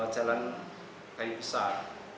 jalan kayu besar